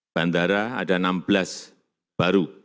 bandara ada enam belas baru